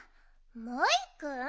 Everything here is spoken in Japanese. モイくん？